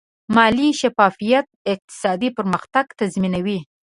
مالي شفافیت اقتصادي پرمختګ تضمینوي.